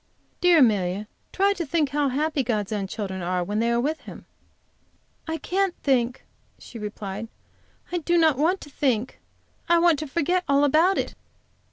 "Dear Amelia, try to think how happy God's own children are when they are with Him." "I can't think," she replied. "I do not want to think. I want to forget all about it.